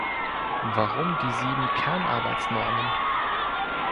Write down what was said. Warum die sieben Kernarbeitsnormen?